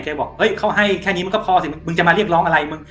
บอกเฮ้ยเขาให้แค่นี้มันก็พอสิมึงจะมาเรียกร้องอะไรมึง